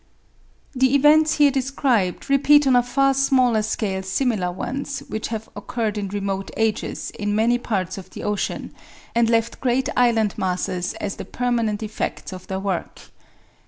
The events here described repeat on a far smaller scale similar ones which have occurred in remote ages in many parts of the ocean and left great island masses as the permanent effects of their work.